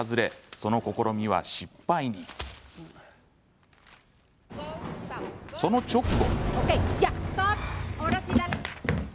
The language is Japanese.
その直後。